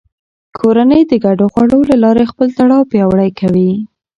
کورنۍ د ګډو خوړو له لارې خپل تړاو پیاوړی کوي